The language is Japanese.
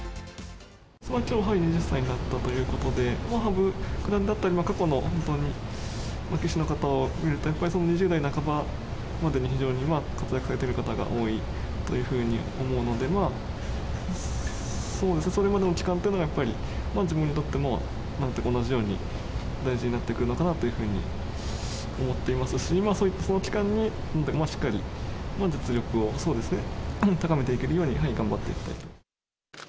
きょう２０歳になったということで、もう羽生九段だったり、過去の本当に棋士の方を見ると、やっぱり２０代半ばまでに、非常に活躍されてる方が多いというふうに思うので、そうですね、それまでの期間というのが、やっぱり自分にとっても全く同じように大事になってくるのかなっていうふうに思っていますし、その期間に、しっかり実力を、そうですね、高めていけるように頑張っていきたいと。